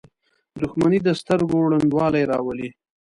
• دښمني د سترګو ړندوالی راولي.